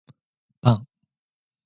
パン